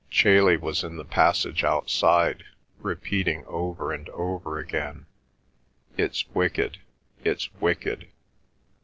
Chailey was in the passage outside, repeating over and over again, "It's wicked—it's wicked."